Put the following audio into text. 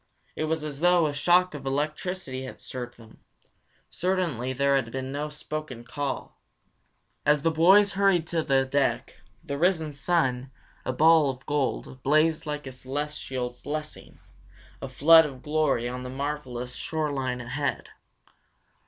It was as though a shock of electricity had stirred them. Certainly there had been no spoken call. As the boys hurried to the deck, the risen sun, a ball of gold, blazed like a celestial blessing, a flood of glory on the marvelous shore line ahead.